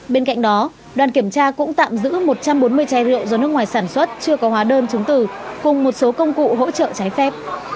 bên cạnh đó đoàn kiểm tra cũng tạm giữ một trăm bốn mươi chai rượu do nước ngoài sản xuất chưa có hóa đơn chứng từ cùng một số công cụ hỗ trợ trái phép